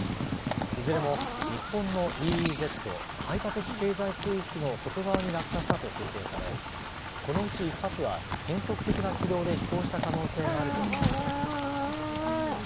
いずれも日本のＥＥＺ・排他的経済水域の外側に落下したと推定されこのうち１発は変則的な軌道で飛行した可能性があるということです。